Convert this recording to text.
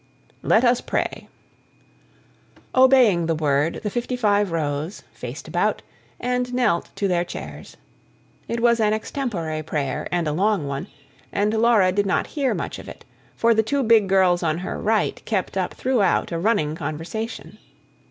"Let us pray." Obeying the word, the fifty five rose, faced about, and knelt to their chairs. It was an extempore prayer, and a long one, and Laura did not hear much of it; for the two big girls on her right kept up throughout a running conversation.